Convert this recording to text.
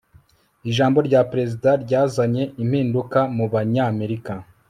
ijambo rya perezida ryazanye impinduka mubanyamerika